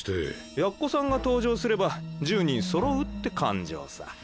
奴さんが登場すれば１０人そろうって勘定さ。